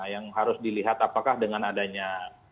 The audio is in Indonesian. yang harus dilihat apakah dengan adanya